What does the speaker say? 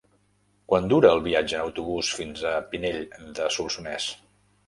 Quant dura el viatge en autobús fins a Pinell de Solsonès?